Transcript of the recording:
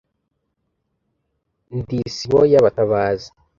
Ndi isibo y’abatabazi